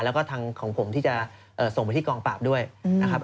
แล้วก็ทางของผมที่จะส่งไปที่กองปราบด้วยนะครับ